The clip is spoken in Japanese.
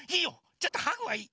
ちょっとハグはいい。